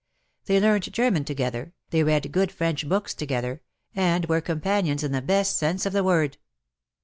They learnt German together, they read good French books to gether, and were companions in the best sense of the w^ord.